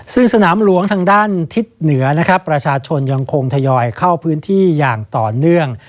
ซึ่งสนามหลวงทางด้านทิศเหนือนะครับประชาชนยังคงทยอยเข้าพื้นที่อย่างต่อเนื่อง